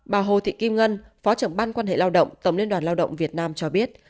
bà hồ thị kim ngân phó trưởng ban quan hệ lao động tổng liên đoàn lao động việt nam cho biết